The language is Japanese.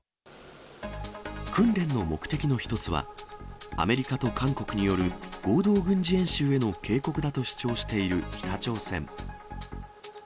訓練の目的の一つは、アメリカと韓国による合同軍事演習への警告だと主張している北朝鮮。